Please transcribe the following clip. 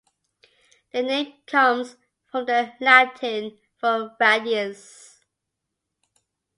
Their name comes from the Latin for "radius".